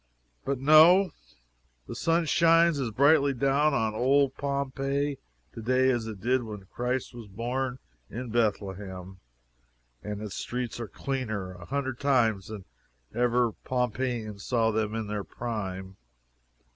But no the sun shines as brightly down on old Pompeii to day as it did when Christ was born in Bethlehem, and its streets are cleaner a hundred times than ever Pompeiian saw them in her prime.